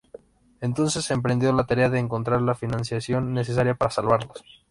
Entonces emprendió la tarea de encontrar la financiación necesaria para salvarlos.